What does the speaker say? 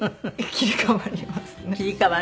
切り替わります。